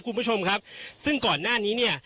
คุณผู้ชมครับซึ่งก่อนหน้านี้เนี่ย